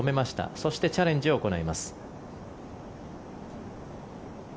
そして、チャレンジを行います。